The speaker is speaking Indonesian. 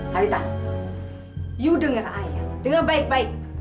talitha you denger ayah dengar baik baik